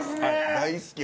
大好き！